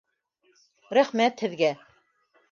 Рәхмәт һеҙгә!